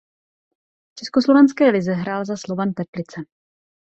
V československé lize hrál za Slovan Teplice.